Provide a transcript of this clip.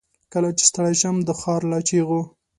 کله چې ستړی شم، دښارله چیغو